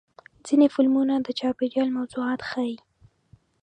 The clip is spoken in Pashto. ځینې فلمونه د چاپېریال موضوعات ښیي.